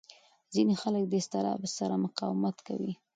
ځینې خلک له اضطراب سره مقاومت کوي.